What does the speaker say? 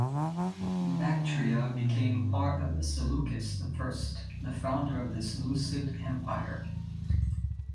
Bactria became part of Seleucus the First, the founder of the Seleucid Empire.